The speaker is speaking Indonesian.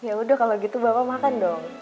yaudah kalau gitu bapak makan dong